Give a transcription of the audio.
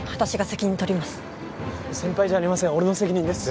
先輩じゃありません俺の責任です。